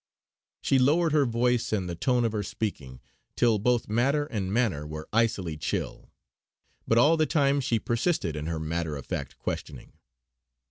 She lowered her voice, and the tone of her speaking, till both matter and manner were icily chill; but all the time she persisted in her matter of fact questioning.